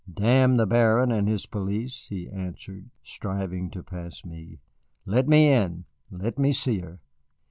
"Damn the Baron and his police," he answered, striving to pass me. "Let me in! Let me see her."